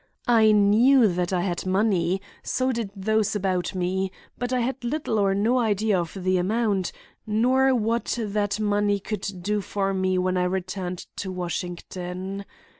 I knew that I had money; so did those about me; but I had little or no idea of the amount, nor what that money would do for me when I returned to Washington.